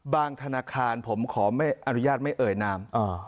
ธนาคารผมขออนุญาตไม่เอ่ยนาม